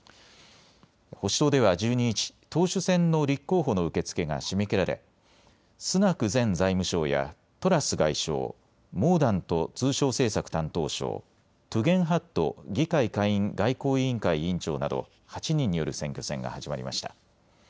保守党では１２日、党首選の立候補の受け付けが締め切られ、スナク前財務相やトラス外相、モーダント通商政策担当相、トゥゲンハット議会下院外交委員会委員長など８人による選挙戦が始まりました。